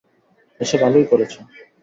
এসে ভালোই করেছো।